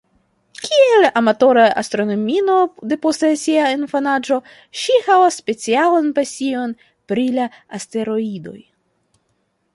Kiel amatora astronomino depost sia infanaĝo, ŝi havas specialan pasion pri la asteroidoj.